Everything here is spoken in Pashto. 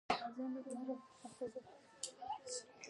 ستا په لمس سره مې د ګوتو په سرونو کې